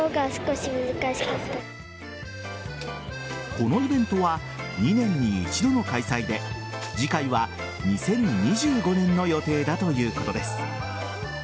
このイベントは２年に１度の開催で次回は２０２５年の予定だということです。